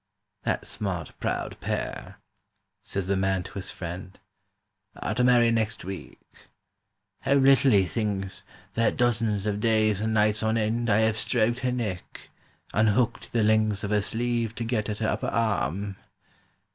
"That smart proud pair," says the man to his friend, "Are to marry next week ... How little he thinks That dozens of days and nights on end I have stroked her neck, unhooked the links Of her sleeve to get at her upper arm